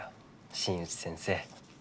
新内先生。